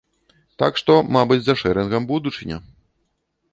Так што, мабыць, за шэрынгам будучыня.